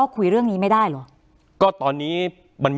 คุณลำซีมัน